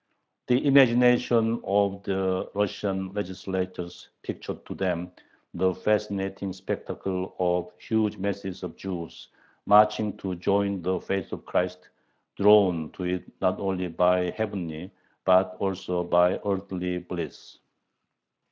The imagination of the Russian legislators pictured to them the fascinating spectacle of huge masses of Jews marching "to join the faith of Christ," drawn to it not only by heavenly, but also by earthly, "bliss."